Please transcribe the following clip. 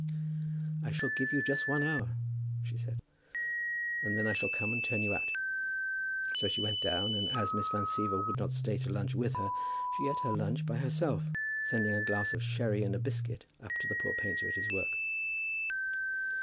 "I shall give you just one hour," she said, "and then I shall come and turn you out." So she went down, and, as Miss Van Siever would not stay to lunch with her, she ate her lunch by herself, sending a glass of sherry and a biscuit up to the poor painter at his work.